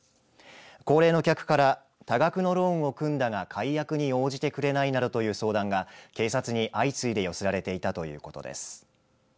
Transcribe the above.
高齢の客から多額のローンを組んだが解約に応じてくれないなどという相談が警察に相次いで寄せられていたということです。